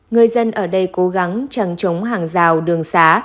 người dân ở đây cố gắng trăng trống hàng rào đường xá